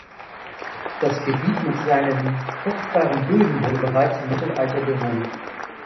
Das Gebiet mit seinen fruchtbaren Böden wurde bereits im Mittelalter bewohnt.